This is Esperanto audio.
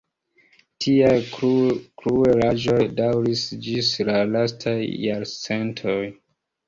Tiaj kruelaĵoj daŭris ĝis la lastaj jarcentoj.